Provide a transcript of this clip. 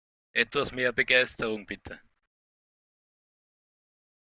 Etwas mehr Begeisterung, bitte!